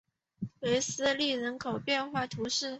韦斯利人口变化图示